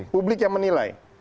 publik yang menilai